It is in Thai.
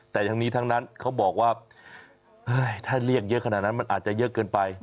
แต่ทั้งนี้ทั้งนั้นเขาบอกว่าถ้าเรียกเยอะขนาดนั้นมันอาจจะเยอะเกินไป